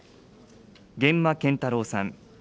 源馬謙太郎さん。